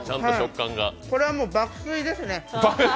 これはもう爆睡ですね。